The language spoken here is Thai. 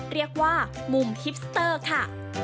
เรียกว่ามุมคิปสเตอร์ค่ะ